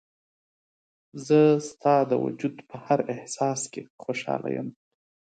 زه ستا د وجود په هر احساس کې خوشحاله یم.